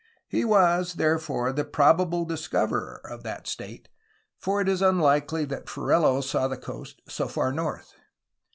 He was therefore the probable dis coverer of that state, for it is unlikely that Ferrelo saw the coast so far north.